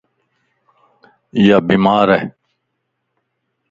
ايا بيمارَ